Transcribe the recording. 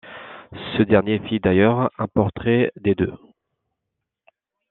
Ce dernier fit d'ailleurs un portrait des deux.